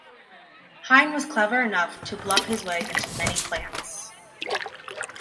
Hine was clever enough to bluff his way into many plants.